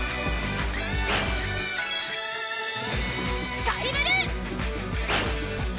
スカイブルー！